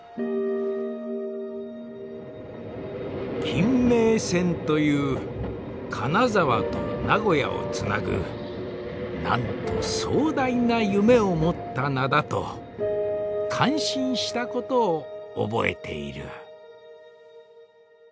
「金名線という金沢と名古屋をつなぐなんと壮大な夢を持った名だと感心したことを覚えている」。